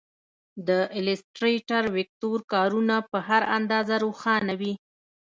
د ایلیسټریټر ویکتور کارونه په هر اندازه روښانه وي.